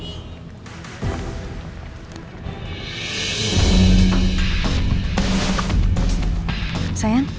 ya sudah tersayang lalu